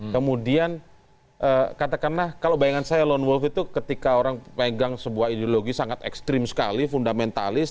kemudian katakanlah kalau bayangan saya lone wolf itu ketika orang pegang sebuah ideologi sangat ekstrim sekali fundamentalis